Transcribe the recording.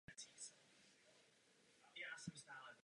Bylo to jejich jediné dítě.